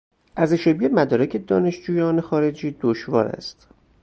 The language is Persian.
ارزشیابی مدارک دانشجویان خارجی دشوار است.